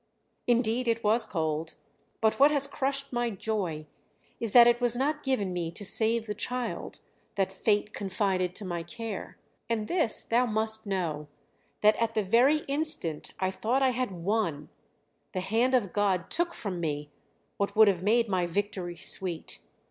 "Indeed it was cold; but what has crushed my joy is that it was not given me to save the child that Fate confided to my care; and this thou must know: that at the very instant I thought I had won, the Hand of God took from me what would have made my victory sweet.